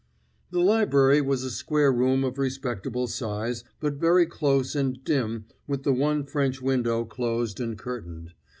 The library was a square room of respectable size, but very close and dim with the one French window closed and curtained.